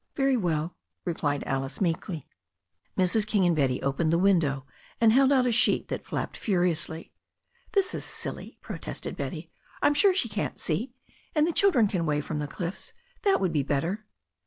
"Very well," replied Alice meekly. Mrs. King and Betty opened the window and held out a sheet that flapped furiously. "This is silly," protested Betty. "I'm sure she can't see, and the children can wave from the cliffs; that would be better."